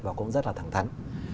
và cũng rất là thẳng thắn